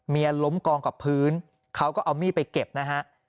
ล้มกองกับพื้นเขาก็เอามีดไปเก็บนะฮะ